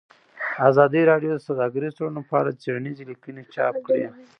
ازادي راډیو د سوداګریز تړونونه په اړه څېړنیزې لیکنې چاپ کړي.